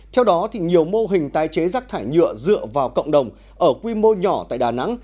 theo đó nhiều mô hình tái chế rác thải nhựa dựa vào cộng đồng ở quy mô nhỏ tại đà nẵng